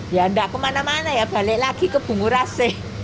ya enggak ke mana mana ya balik lagi ke bunguras sih